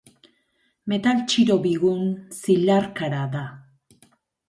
Metal txiro bigun zilarkara da.